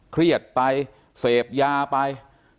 เครียดไปเสพยาไป